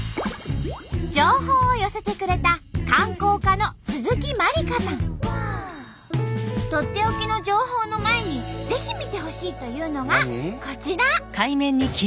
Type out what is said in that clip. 情報を寄せてくれたとっておきの情報の前にぜひ見てほしいというのがこちら。